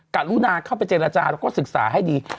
การลุมาเข้าไปเจรจาก็ศึกษาให้ดี